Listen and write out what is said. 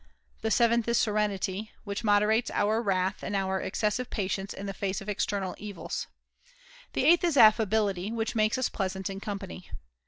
Tlie seventh is serenity, which moderates our wrath and our excessive patience in the face of external evils. The eighth is affability, which makes us pleasant in company.